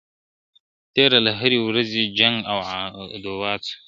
تېر له هري ورځي جنګ اوعداوت سو ,